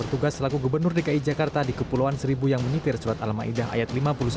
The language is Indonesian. ahok diunggah selaku gubernur dki jakarta di kepulauan seribu yang menyitir surat al ma'idah ayat lima puluh satu